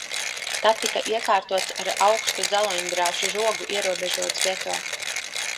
Tad tika iekārtots ar augstu dzeloņdrāšu žogu ierobežots geto.